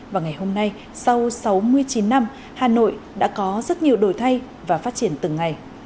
và ngày hôm nay sau sáu mươi chín năm hà nội đã có rất nhiều đổi thay và phát triển từng ngày